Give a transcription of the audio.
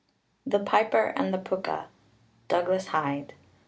THE PIPER AND THE PUCA. DOUGLAS HYDE.